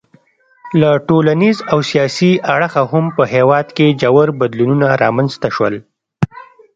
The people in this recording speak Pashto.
له ټولنیز او سیاسي اړخه هم په هېواد کې ژور بدلونونه رامنځته شول.